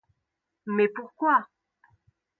Mais pourquoi?...